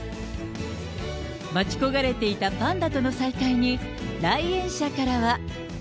待ち焦がれていたパンダとの再会に、来園者からは。